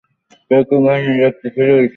কেউ কেউ বলেন, এ লোকটি ছিল ইসরাঈলী।